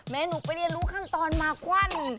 หนูไปเรียนรู้ขั้นตอนมากวั่น